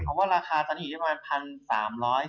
เพราะว่าราคาจะอยู่ได้ประมาณ๑๓๑๐บาท